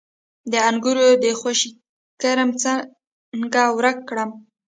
د انګورو د خوشې کرم څنګه ورک کړم؟